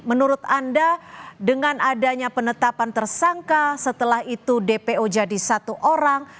menurut anda dengan adanya penetapan tersangka setelah itu dpo jadi satu orang